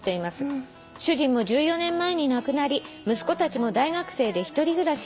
「主人も１４年前に亡くなり息子たちも大学生で１人暮らし」